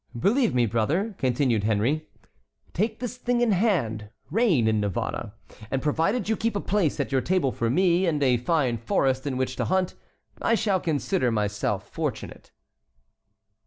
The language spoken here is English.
"Believe me, brother," continued Henry; "take this thing in hand, reign in Navarre; and provided you keep a place at your table for me, and a fine forest in which to hunt, I shall consider myself fortunate."